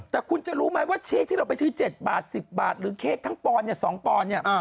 แต่คุณจะรู้ไหมว่าเค้กที่เราไปซื้อ๗บาท๑๐บาทหรือเค้กทั้งปอนดเนี่ย๒ปอนด์เนี่ย